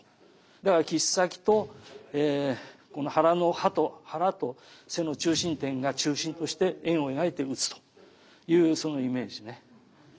だから切先とこの腹と背の中心点が中心として円を描いて打つというそのイメージね。